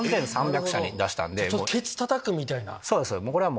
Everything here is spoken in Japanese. ケツたたくみたいな。